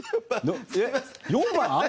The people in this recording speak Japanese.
４番！？